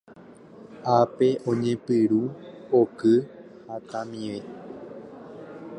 Ápe oñepyrũ oky hatãmive.